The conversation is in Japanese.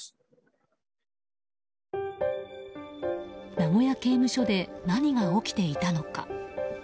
名古屋刑務所で何が起きていたのか。